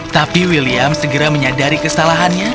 tapi william segera menyadari kesalahannya